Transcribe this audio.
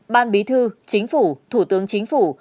ban bí thư chính phủ thủ tướng chính phủ